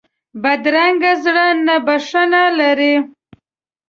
بدرنګه زړه نه بښنه لري